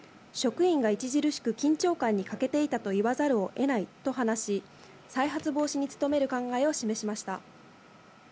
職員が著しく緊張感に欠けていたと言わざるを得ないと話し、再発防止に努める考えを示しました。